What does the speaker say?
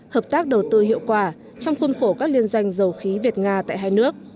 hợp tác đầu tư hiệu quả trong khuôn khổ các liên doanh dầu khí việt nga tại hai nước